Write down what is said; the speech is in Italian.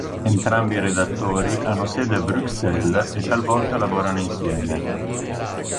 Entrambi i redattori hanno sede a Bruxelles e talvolta lavorano insieme.